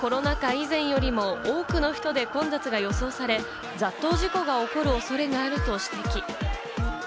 以前よりも多くの人で混雑が予想され、雑踏事故が起こる恐れがあると指摘。